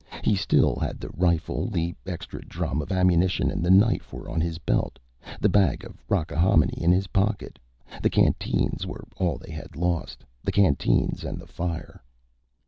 He still had the rifle. The extra drum of ammunition and the knife were on his belt, the bag of rockahominy in his pocket. The canteens were all they had lost the canteens and the fire.